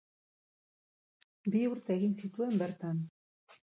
Bi urte egin zituen bertan.